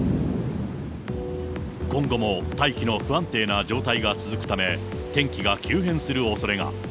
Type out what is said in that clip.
今後も大気の不安定な状態が続くため、天気が急変するおそれが。